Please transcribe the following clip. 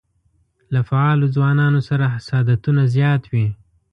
له فعالو ځوانانو سره حسادتونه زیات وي.